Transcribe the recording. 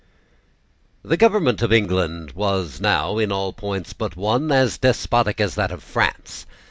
The government of England was now, in all points but one, as despotic as that of France.